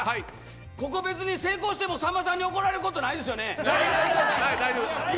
別に成功しても、さんまさんに怒られることないですよね。